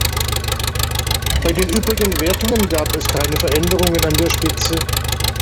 Bei den übrigen Wertungen gab es keine Veränderungen an der Spitze.